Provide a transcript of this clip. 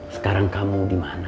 sekarang kamu dimana